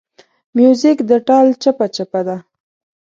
موزیک د ټال چپهچپه ده.